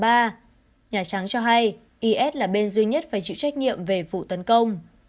nhà trắng cho hay is là bên duy nhất phải chịu trách nhiệm về vụ tấn công